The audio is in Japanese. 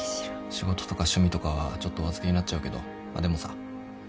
仕事とか趣味とかはちょっとお預けになっちゃうけどでもさ一緒に頑張ろう。